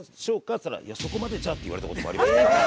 っつったら「いやそこまでじゃ」って言われた事もあります。